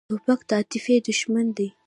توپک د عاطفې دښمن دی.